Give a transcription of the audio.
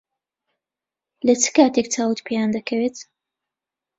لە چ کاتێک چاوت پێیان دەکەوێت؟